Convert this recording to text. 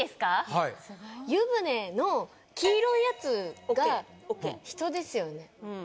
はい湯船の黄色いやつが桶桶人ですよね？